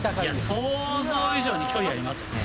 想像以上に距離ありますね。